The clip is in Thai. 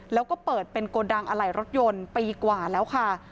แล้วก็เปิดเป็นโกดังอะไหล่รถยนต์ปีกว่าแล้วค่ะ